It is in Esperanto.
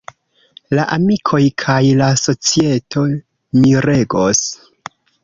La amikoj kaj la societo miregos.